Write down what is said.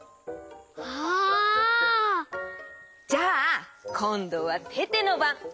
あ！じゃあこんどはテテのばん！